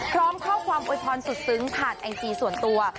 พร้อมข้อความโวยพรสุดซึ้งผ่านไอจีส่วนตัว